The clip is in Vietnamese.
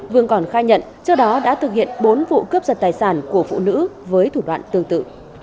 vương còn khai nhận trước đó đã thực hiện bốn vụ cướp giật tài sản của phụ nữ với thủ đoạn tương tự